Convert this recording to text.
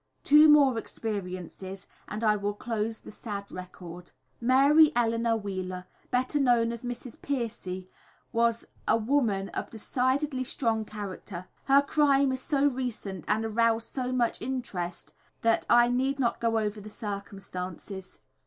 Two more experiences, and I will close the sad record. Mary Eleanor Wheeler, better known as Mrs. Pearcey, was a woman of decidedly strong character. Her crime is so recent and aroused so much interest that I need not go over the circumstances.